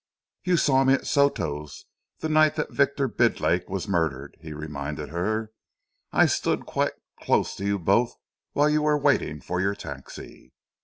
"You saw me at Soto's, the night that Victor Bidlake was murdered," he reminded her. "I stood quite close to you both while you were waiting for your taxi."